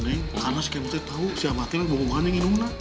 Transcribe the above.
karena si kemotnya tau si amatilnya bawa buahannya kemana